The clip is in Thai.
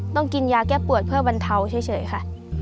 ต้องกินยาแก้ปวดเพื่อบรรเทาเฉยค่ะ